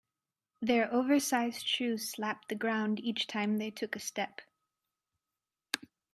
Their oversized shoes slapped the ground each time they took a step.